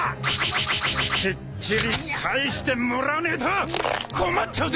きっちり返してもらわねえと困っちゃうぜ！